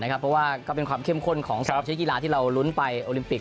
เพราะว่าก็เป็นความเข้มข้นของ๓ชิ้นกีฬาที่เราลุ้นไปโอลิมปิก